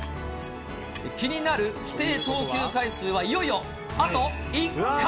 気になる規定投球回数は、いよいよあと１回。